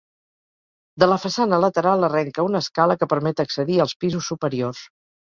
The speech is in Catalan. De la façana lateral arrenca una escala que permet accedir als pisos superiors.